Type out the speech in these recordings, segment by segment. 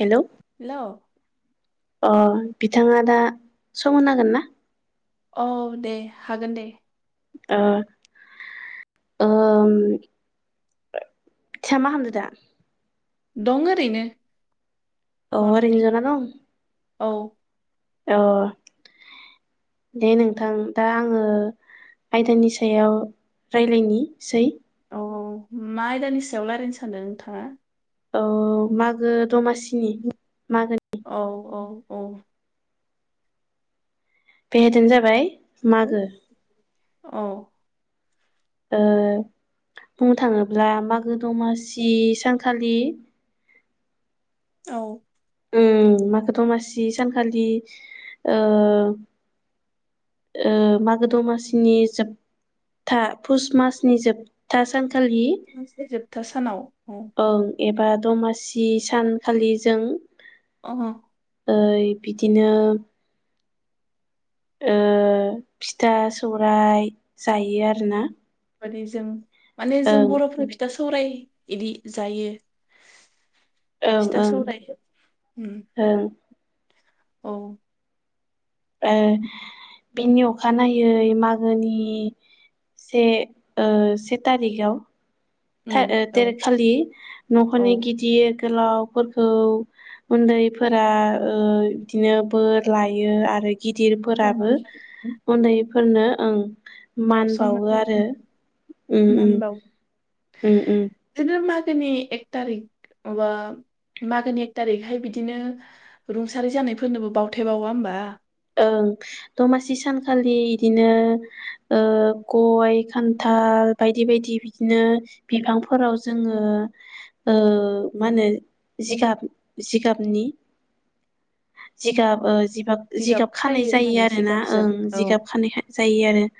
Hello. Hello. अं बिथाङा दा सम होनांगोन ना? औ दे हागोन दे। ओ ओम। सा मा खामदो दा। दं ओरैनो। अ जनानै ओरैनो जना दं। औ। अ दे नोंथां दा आङो आयदानि सायाव रायलाय नि सै। अ मा आयदानि सायाव लायरायनो सानदों नोंथाङा? अ मागो दमासिनि मागोनि। औ औ औ [unintelligible] जाबाय मागो। औ। ओ बुंनो थाङोब्ला मागो दमासि सानखालि औ ओम मागो दमासि सानखालि ओ ओ मागो दमासिनि जोबथा फुस मासनि जोबथा सान [unintelligible] जोबथा सानाव औ। ओं एबा दमासि सानखालि जों। अ। ओइ बिदिनो ओ फिथा सौराय दायो आरोना मादि जों माने जों ओं बर'फोर फिथा स सौराय इदि जायो ओं फिथा ओं सौराय उम ओं औ। ओ बिनि अखानायै मागोनि से ओ से तारिगाव उम था ओ औ तेर खालि औ न'खनि गिदिर गोलावफोरखौ उन्दैफोरा ओ बिदिनो बोर लायो आरो गिदिरफोराबो सनमान लायो उन्दै फोरनो ओं औ मान सनमान बावो लायो आरो उम उम। मान बावो ओम ओम। बिदिनो मागोनि एक थारिक माबा मागोनि एक थारिखहाय बिदिनो रुंसारि जानायफोरनोबो बावथेबावा होमबा ओं दमासि सानखालि बिदिनो ओ गय खान्थाल बायदि बायदि बिदिनो बिफांफोराव जोङो मा होनो जिगाब जिगाबनि जिगाब जिगाब जिगाब खानाय खायो जायो माने आरोना जिगाबजों ओं औ जिगाब खानाय जायो आरो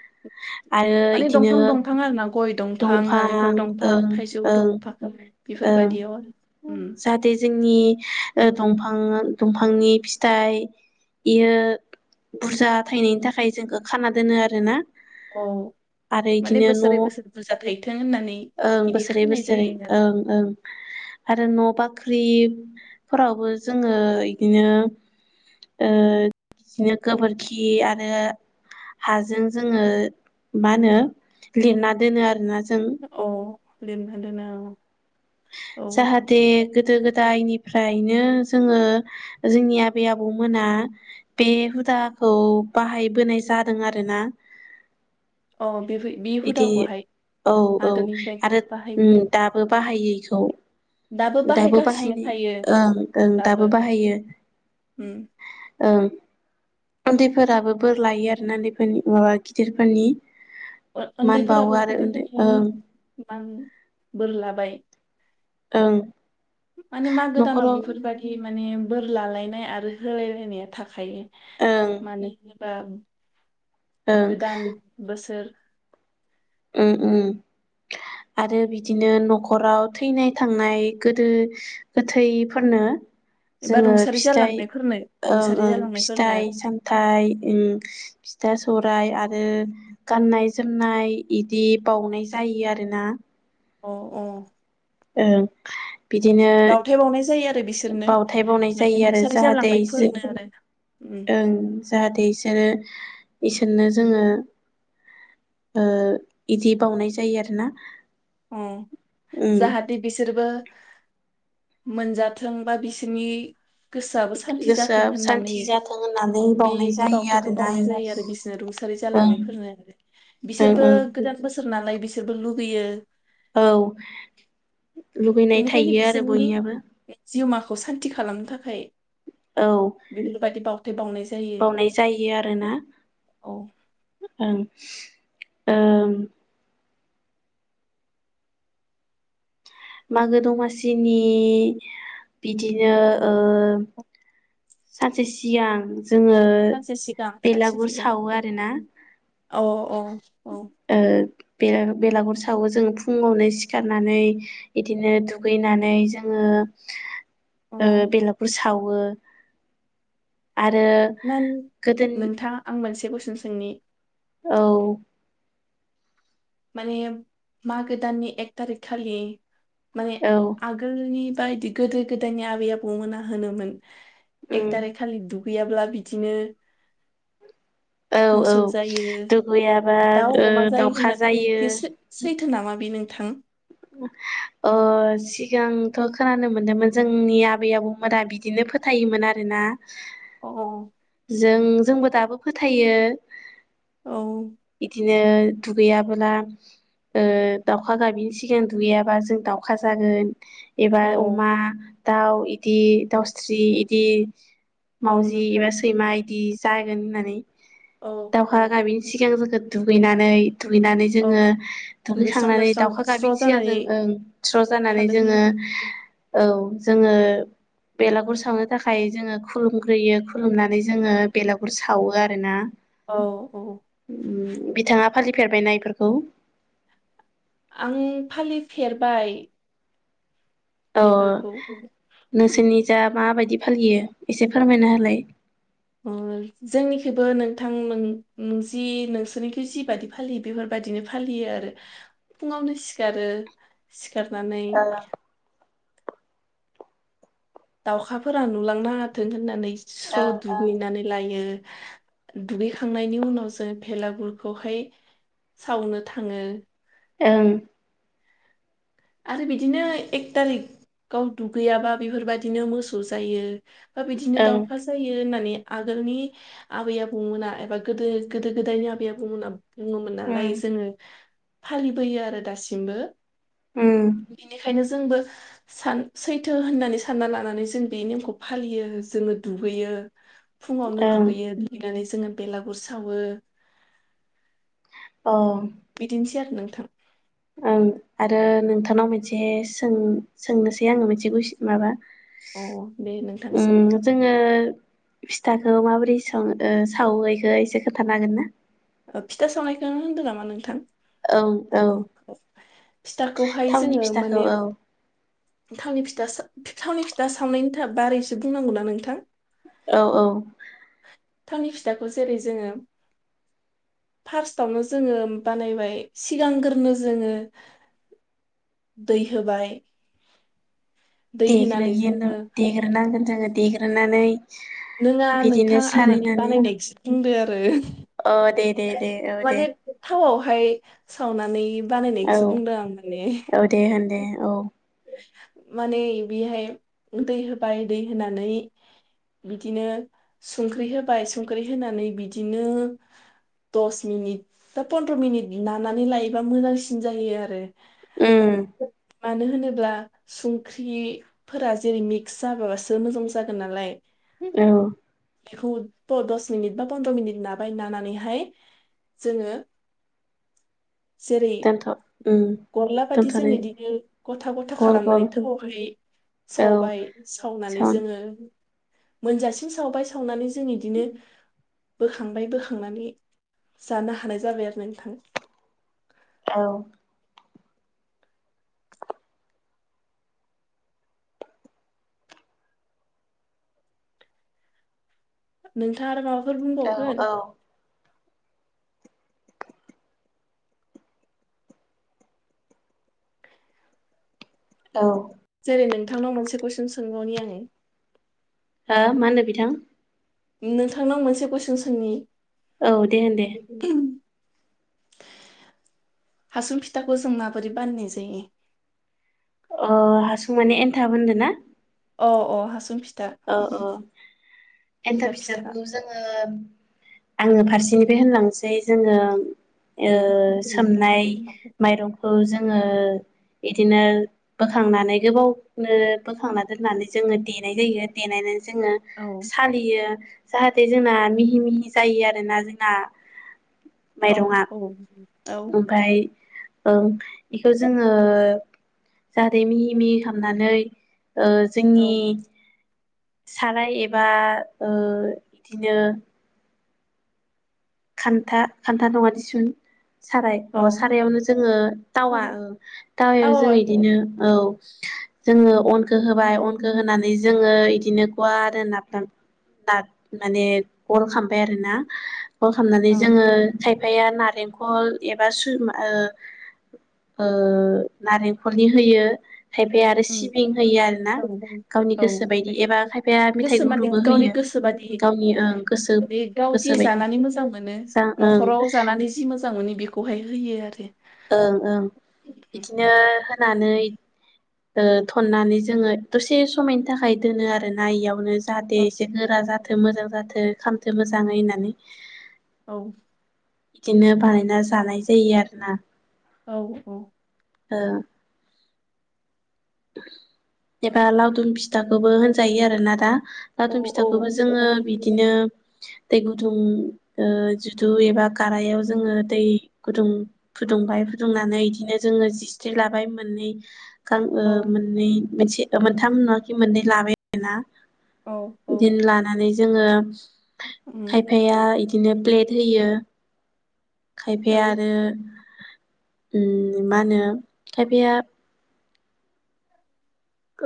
आरो माने इदिनो दंफां दंफां आरो ना गय दंफां नालेंखर दंफां ओं थाइजौ ओं दंफां ओं बेफोरबायदियाव आरो उम जाहाथे जोंनि दफां फां दंफांनि फिथाइ बेयो बुरजा थायनायनि थाखाय जोंखौ खाना दोनो आरोना औ आरो माने इदिनो न बोसोरै बोसोर बुरजा थायथों होननानै ओं बिदि बोसोरै खानाय बोसोरै जायो आरो ओं ओं आरो न' बां फुख्रिफोरावबो जोङो बिदिनो ओ बिदिनो गोबोरखि आरो हाजों जोङो मा होनो लिरना दोनो आरोना जों औ। [unintelligible] औ जाहाथे गोदो गोदायनिफ्रायनो जोङो जोंनि आबै आबौमोना बे हुदाखौ बाहायबोनाय जादों आरोना अ' बिदि औ औ आगोलनिफ्रायनो आरो बाहायबोदों दाबो बाहायो बिखौ दाबो बाहायगासिनो बाहायनाय थायो ओं ओं दाबो बाहायो। उम ओं उन्दैफोराबो बोर लायो आरोना बेफोरनि ओ गिदिरफोरनि। ओ मान बावो उन्दैफोराबो [unintelligible] आरो उन्दै ओं ओं। बोरलाबाय। ओं। माने मागो दानाव न'खराव बेफोरबादि माने बोर लालायनाय आरो होलायलायनाया थाख खायो ओं मानोना बा ओं गोदान बोसोर। उम उम आरो बिदिनो नख'राव थैनाय-थांनाय गोदो गोथैफोरनो एबा जोङो रुंसारि फिथाइ जालांनायफोरनो ओं रुंसारि ओं जालांनायफोरनो फिथाइ-सामथाइ ओं। फिथा सौराइ आरो गाननाय-जोमनाय इदि बाउनाय जायो आरोना। अ औ। ओं। बिदिनो बावनाय जायो आरो [inaudible] बिसोरनो बावथाय बावनाय माने जायो आरो रुंसारि जाहाथे जो जालांनायफोरनो आरो उम ओं जाहाथे बिसोरो इसोरनो जोङो ओ इदि बावनाय जायो आरोना। अ उम जाहाथ दि बिसोरबो [inaudible] मोनजाथों बा बिसोरनि गोसोआबो सान्थि गोसोआ जाथों सान्थि होननानै जाथों होननानै बावनाय बेदि जायो बावथायखौ आरोना बावनाय जायो आरो बिसोरनो रुंसारि ओं जालांनायफोरनो ओं बिसोरबो ओं गोदान बोस सोर नालाय बिसोरबो लुगैयो। औ लुगैनाय बेनिखायनो थायो आरो बिसोरनि बयनियाबो जिउमा असान्ति खालामनो थाखाय। औ बेफोरबायदि बावथाय बावनाय [inaudible] जायो बावनाय जायो आरोना औ ओं। [inaudible] ओं। मागो दमासिनि बिदिनो‌ ओ सानसे सिगां जोङो सानसे सिगां सानसे बेलागुर सिगां सावो आरोना [inaudible] अ औ। औ। बे बेलागुर सावो जों फुङावनो सिखारनानै इदिनो दुगैनानै जोङो औ ओ बेलागुर साव वो [inaudible] आरो गोदोनि से कुइसन सोंनि। औ। माने मागो दाननि एक थारिख खालि। माने औ आगोलनि बायदि गोदो गोदायनि आबै आबौमोना होनोमोन। एख उम थारिख खालि दु याल्बा बिदिनो। औ औ मोसौ जायो दुगैयाबा दाउ ओ अमा जायो दाउखा होननानै जायो। बे सै- सैथो नामा बि नोंथां। ओ सिगांथ खोनानो मोनदोंमोन जोंनि आबै आबौमोना बिदिनो फोथायोमोन आरोना। अ जों जोंबो दाबो फोथायो। औ बिदिनो दुगैयाबोला ओ दाउखा गाबिनि सिगां दुगैयाबा जों दाउखा जागोन। एबा औ अमा दाउ इदि दाउस्रि इदि। औ मावजि नोंथां एबा सैमा इदि। जागोन होननानै। औ औ दाउखा औ। [unintelligible] दुगैनानै। दुगैनानै औ जोङो दुगैस्रां दुगैखांनानै लोबस्रां दाउखा स्र' गाबि सिगां जानानै जों ओं स्र जानानै थानो जोङो होयो औ। जोङो बेलागुर सावनो थाखाय जोङो खुलुमग्रोयो खुलुमनानै जोङो बेलागुर सावो आरोना औ औ बिथाङा फालिफेरबायना इफोरखौ आं फालिफेरबाय बेफोरखौ दा माबायदि फालियो एसे फोरमायना होलाय उम जोंनिखिबो नोंथां नों-नोंजि नोंसोरनिखि जिबायदि फालियो बेफोरबायदिनो फालियो आरो फुङावनो सिखारो खारनानै ओं ओं दाउखाफोरा नुलांनाङाथों होननानै स्र दुगैनानै लायो दुगैखांनायनि उनावसो भेलागुरखौहाय सावनो थाङो ओं आरो बिदिनो एक थारिखाव दुगैयाबा बेफोर बायदिनो मोसौ जायो बिदिनो ओं दाउखा जायो होननानै आगोलनि आबै आबौमोना एबा गोदो गोदो गोदायनि आबै आबौमोना बुङोमोन नालाय ओं जोङो फालिबोयो आरो दासिमबो ओं बेनिखायनो जो जोंबो सान सैथो होननानै सानना लानानै जों बे नेमखौ फालियो जोङो दुगैयो। फुङावनो ओं दुगैयो दुगैनानैसो जोङो बेलागुर सावो। अ बिदिनोसै नोंथां ओं आरो नोंथांनाव मोनसे सों-सोंनोसै आङो मोनसे कुइसन माबा अ दे नोंथां उम जोङो फिथाखौ माबोरै सं ओ सावो इखो इसे खोथानो हागोन ना? ओ फिथा सावनायखो होनदों नामा नोंथां? औ औ उम फिथाखौहाय थावनि जोङो फिथाखौ माने औ थावनि फिथ फिथा सा थावनि फिथा सावनायनि था बारैसो बुंनांगौना नोंथां? औ औ थावनि फिथाखौ जेरै जोङो फार्स्टआवनो जोङो बानायबाय सिगांग्रोनो जोङो दै होबाय। दै होनानै देग्रोयो नों जोङो देग्रोनांगोन। जोङो देग्रोनानै नोङा बिदिनो नोंथां आं माने सालिनानै बानायनायखोसो बुंदों। [unintelligible] अ दे दे दे औ दे फाय सावनानैम औ बानायनायखोसो बुंदों आं माने औ दे होन दे औ माने बेहाय दै होबाय दै होनानै बिदिनो संख्रि होबाय संख्रि होनानै बिदिनो दस मिनिट बा पन्द्र मिनिट नानानै लायोबा मोजांसिन जायो आरो उम मानो होनोब्ला संख्रिफोरा जेरै मिक्स जाबाबासो मोजां जागोन नालाय। औ बेखौ प दस मिनिट बा पन्द्र मिनिट नाबाय नानानैहाय जोङो जेरै दोन्थ गरला बादि जों इदिनो गथा गथा गल गल खालामनानै थोवआवहाय औ सावबाय सावनानै सान जोङो मोनजासिन सावबाय सावनानै जों इदिनो बोखांबाय बोखांनानै जानो हानाय जाबाय आरो नोंथां। औ नोंथाङा आरो माबाफ फोर औ बुंबावगोन? औ औ रो नोंथांनाव मोनसे कुइसन सोंबावनि आङो। हो मा होननो बिथां नोंथांनाव मोनसे कुइसन सोंनि औ दे होन दे हासुं फिथाखौ जों माबोरै बानायनाय जायो। ओ हासुं माने एन्थाब होनदों ना? अ अ अ हासुं फि औ औ एन्थाब फिथाखौ जोङो आङो फारसेनिफ्राय होनलांसै जोङो ओ उम बिदि औ सोमनाय माइरंखौ जोङो बिदिनो बोखांनानै गोबावनो बोखांना दोननानै जोङो देनाय जायो। देनानै जोङो औ सालियो जाहाथे जोंना मिहि मिहि जायो आरोना जोंना औ औ औ ओमफ्राय ओं बेखौ जोङो जाहाथे मिहि मिहि खामनानै ओ जोंनि औ साराय एबा ओ बिदिनो खान्था खान्था नङा दिसुन साराय औ सारायावनो जोङो तावा सारे तावायाव जोङो औ इदिनो औ [inaudible] जोङो उम अनखौ होबाय अनखौ होनानै जोङो इदिनो अ आरो नाफाम मा-माने गरम खालामबाय आरो ना खालामनानै औ जोङो था थाया नारेंखल एबा सु ओ ओ नारेंखलनि होयो। खायफाया आरो उम सिबिं होयो आरोना गावनि औ गोसो बायदि एबा खायफाया मेथाइ गोसो माने गुरुबो गावनि होयो गोसो बादि गावनि ओ गोसो माने गाव जि गोसो बायदि जानानै मोजां मोनो नखराव जानानै जि मोजां मोनो बेखौहाय होयो आरो ओं ओं बिदिनो होनानै ओ थननानै जोङो दसे समायनि थाखाय दोनो आरो ना इयावनो जाहाथे एसे गोरा जाथों मोजां जाथों खाम थो मोजाङै होननानै औ बिदिनो बानायना जानाय जायो आरोना औ औ ओ एबा लावदुम फिथाखौबो होनजायो आरोना दा औ लावदुम फिथाखौबो जोङो बिदिनो दै गुदुं ओ जुदु एबा गारायाव जोङो दै गुदुं फुदुंबाय फुदुंनानै इदिनो जोङो जिस्रि लाबाय मोननै गा ओ औ मोननै मोनसे। मोनथाम नङाखि मोननै लाबाय आरो ना। औ औ। जोङो। उम खायफाया इदिनो। प्लेट होयो। औ खायफाया आरो। उम मा होनो खायफाया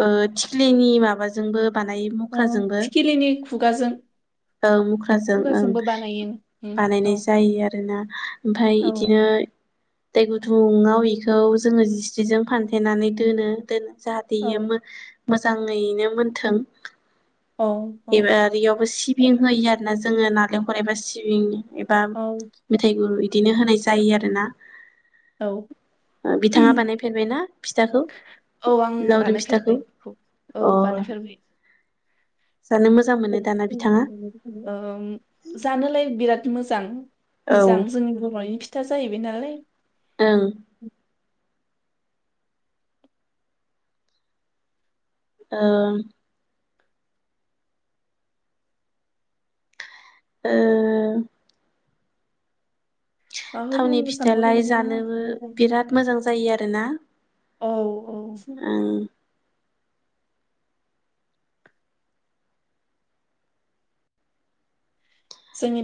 ओ थिख्लिनि माबाजोंबो बानायो अ थिखिलिनि खुगाजों ओं मुख्राजों ओं खुगाजोंबो बानायो उम औ बानायनाय जायो। आरो ना। ओमफाय औ इदिनो दै गुदुंआव इखौ जोङो जिस्रिजों फानथेनानै दोनो दोनो जाहाथे औ इयो मोन मोजाङैनो मोनथों। औ एबा आरो इयावबो सि बिं होयो आरोना जोङो नालेंखर एबा सिबिंनि। एबा औ औ मेथाइ गुर हो दिनो होनाय जायो आरोना औ ओ बिथाङा बानायफेरबायना फिथाखौ आं लावदुम फिथाखौ बानायफेरबाय बेखौ औ अह। बानायफेरबाय जानो मोजां मोनो दाना बिथाङा। ओम जानोलाय बिराद मोजां। औ मोजां जोंनि बरनि फिथा जाहैबाय नालाय ओं उम। ओं। ओं। माबाफोर थावनि बुंनो सानबावदों फिथालाय नोंथाङा जानोबो बिराद मोजां जायो आरो ना औ औ ओं। जोंनि